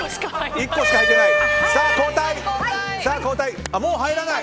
１個しか入っていない。